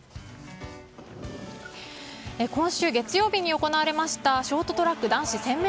今週月曜日に行われましたショートトラック男子１０００ｍ。